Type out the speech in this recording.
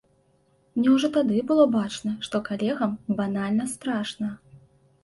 Мне ўжо тады было бачна, што калегам банальна страшна.